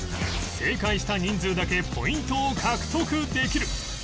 正解した人数だけポイントを獲得できる